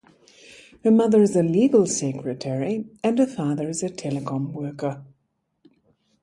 Her mother is a legal secretary and her father is a telecom worker.